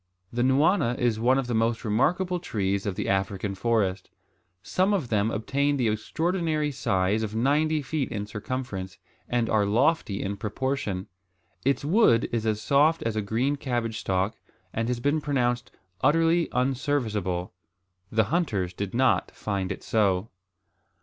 The nwana is one of the most remarkable trees of the African forest. Some of them obtain the extraordinary size of ninety feet in circumference, and are lofty in proportion. Its wood is as soft as a green cabbage stalk, and has been pronounced "utterly unserviceable." The hunters did not find it so.